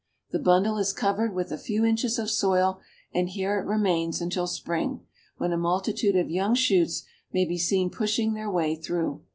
The bundle is covered with a few inches of soil, and here it remains until spring, when a multitude of young shoots may be seen pushing their way through.